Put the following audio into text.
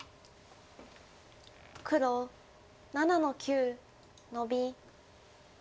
黒７の九ノビ。